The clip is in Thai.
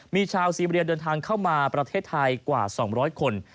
มีชาวซีเรียเดินทางเข้ามาประเทศไทยกว่า๒๐๐คน